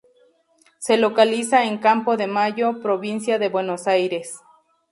Se localiza en Campo de Mayo, provincia de Buenos Aires.